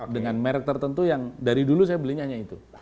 dengan merek tertentu yang dari dulu saya belinya hanya itu